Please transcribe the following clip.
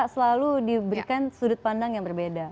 selalu diberikan sudut pandang yang berbeda